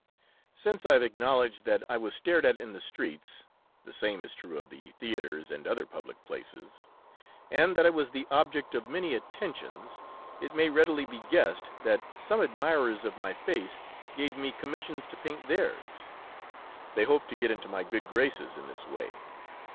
Since I have acknowledged that I was stared at in the streets the same is true of the theatres and other public places and that I was the object of many attentions, it may readily be guessed that some admirers of my face gave me commissions to paint theirs. They hoped to get into my good graces in this way.